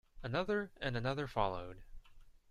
Another and another followed.